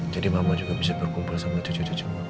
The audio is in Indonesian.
jadi mama juga bisa berkumpul sama cucu cucu mama